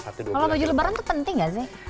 kalau baju lebaran itu penting gak sih